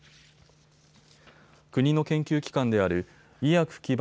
国の研究機関である医薬基盤